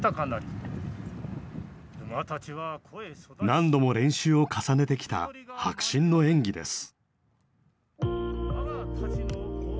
何度も練習を重ねてきた迫真の演技です。